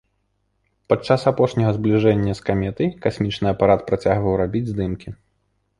Падчас апошняга збліжэння з каметай касмічны апарат працягваў рабіць здымкі.